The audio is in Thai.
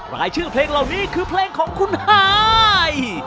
รายชื่อเพลงเหล่านี้คือเพลงของคุณฮาย